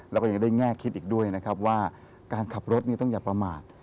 แล้วก็ยังได้แง่คิดอีกด้วยนะครับว่าการขับรถต้องอย่าประมาท